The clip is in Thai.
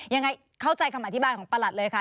ยังไงเข้าใจคำอธิบายของประหลัดเลยค่ะ